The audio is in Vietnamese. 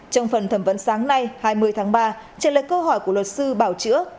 trong phần thẩm vấn sáng nay hai mươi tháng ba trả lời câu hỏi của luật sư bảo chữa